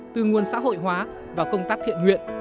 từ nguồn xã hội hóa vào công tác thiện nguyện